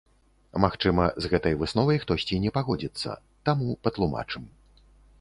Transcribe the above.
Магчыма, з гэтай высновай хтосьці не пагодзіцца, таму патлумачым.